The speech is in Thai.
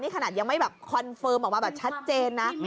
ขนาดยังไม่แบบคอนเฟิร์มออกมาแบบชัดเจนนะ